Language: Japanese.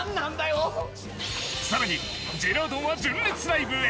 さらにジェラードンは純烈ライブへ